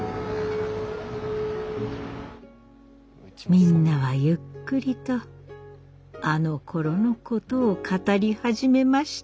みんなはゆっくりとあのころのことを語り始めました。